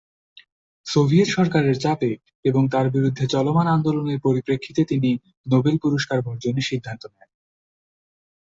Soviet সরকারের চাপে এবং তার বিরুদ্ধে চলমান আন্দোলনের পরিপ্রেক্ষিতে তিনি নোবেল পুরস্কার বর্জনের সিদ্ধান্ত নেন।